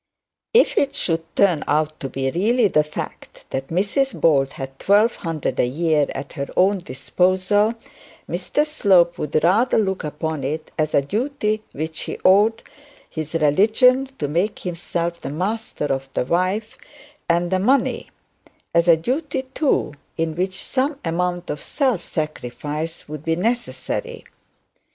If it should turn out to be really the fact that Mrs Bold had twelve hundred a year at her own disposal, Mr Slope would rather look upon it as a duty which he owed his religion to make himself the master of the wife and the money; as a duty, too, in which some amount of self sacrifice would be necessary.